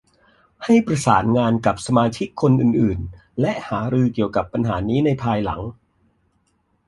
ให้ประสานงานกับสมาชิกคนอื่น ๆ และหารือเกี่ยวกับปัญหานี้ในภายหลัง